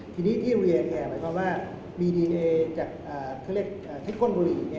ทีนี้ที่เรียนแหม่งว่ามีดีเนยจากข้นบุหรี่